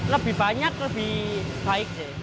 lebih banyak lebih baik sih